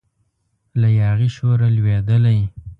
له یاغي شوره لویدلی